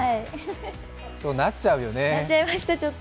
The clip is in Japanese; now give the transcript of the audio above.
そうなっちゃうよね。